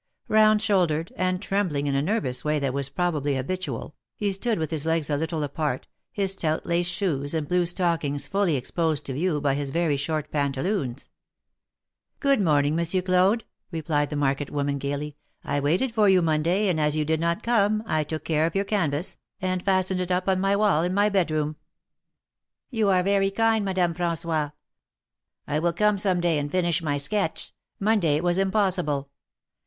Round shouldered, and trembling in a nervous way that was probably habitual, he stood with his legs a little apart, his stout laced shoes and blue stockings fully exposed to view by his very short pantaloons. Good morning, Monsieur Claude," replied the market woman, gayly. I waited for you Monday, and as you did not come, I took care of your canvas, and fastened it up on my wall in my bedroom." You are very kind, Madame Fra§nois. I will come some day and finish my sketch ; Monday it was impossible.